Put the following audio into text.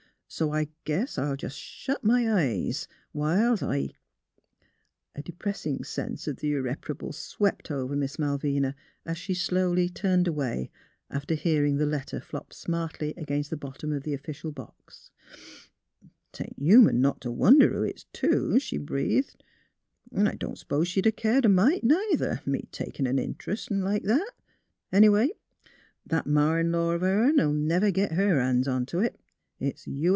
So I guess I'll jus' shet my eyes, whilst I " A depressing sense of the irreparable swept over Miss Malvina, as she turned slowly away, after hearing the letter flop smartly against the bottom of the official box. '' 'Tain't human not t' wonder who it's to," she breathed. " 'N' I don't s'pose she'd 'a' cared a mite, neither — me takin' an int'rest 'n' like that. Anyway, that ma in law o' hern '11 never git her ban's onto it. It's U.